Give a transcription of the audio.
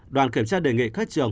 đoàn kiểm tra đề nghị các trường